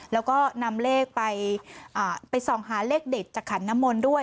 แล้วก็นำเลขไปส่องหาเลขเด็ดจากขันน้ำมนต์ด้วย